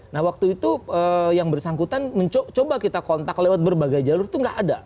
nah waktu itu yang bersangkutan mencoba kita kontak lewat berbagai jalur itu nggak ada